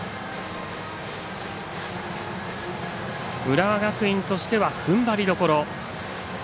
浦和学院としてはふんばりどころ。